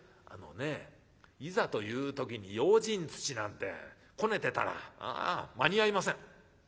「あのねいざという時に用心土なんてこねてたら間に合いません。